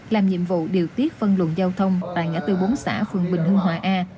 làm nhiệm vụ điều tiết phân luận giao thông tại ngã tư bốn xã phường bình hưng hòa a